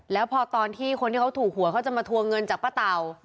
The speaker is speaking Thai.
แล้วพอตอนที่คนที่เขาถูกหวยเขาจะมาทวงเงินจากป้าเต่า